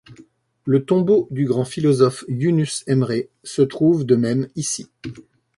Le tombeau du grand philosophe Yunus Emre se trouve de même ici.